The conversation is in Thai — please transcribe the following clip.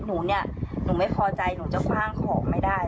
หนูเนี่ยหนูไม่พอใจหนูจะคว่างของไม่ได้